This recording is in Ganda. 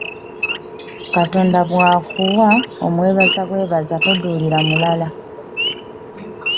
katonda bw'akuwa omwebaza bwebaza toduulira balala.